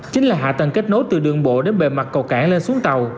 chính là hạ tầng kết nối từ đường bộ đến bề mặt cầu cảng lên xuống tàu